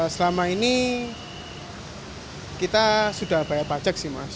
selama ini kita sudah bayar pajak sih mas